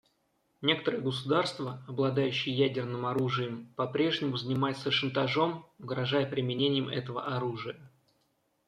Некоторые государства, обладающие ядерным оружием, по-прежнему занимаются шантажом, угрожая применением этого оружия.